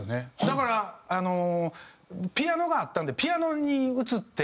だからピアノがあったんでピアノに移ってやったりとか。